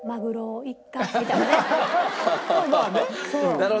なるほど。